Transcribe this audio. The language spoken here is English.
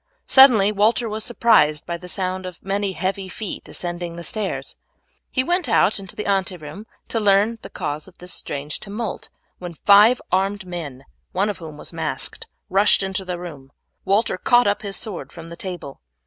Suddenly Walter was surprised by the sound of many heavy feet ascending the stairs. He went out into the ante room to learn the cause of this strange tumult, when five armed men, one of whom was masked, rushed into the room. Walter caught up his sword from the table.